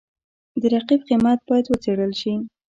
د رقیب قیمت باید وڅېړل شي.